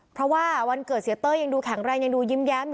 เพราะว่าวันเกิดเสียเต้ยยังดูแข็งแรงยังดูยิ้มแย้มอยู่